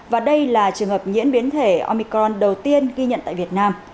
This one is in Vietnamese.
và đây là trường hợp nhiễm biến thể omicron đầu tiên ghi nhận tại việt nam